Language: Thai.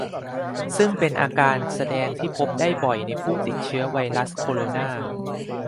ซึ่งเป็นอาการแสดงที่พบได้บ่อยในผู้ติดเชื้อไวรัสโคโรนา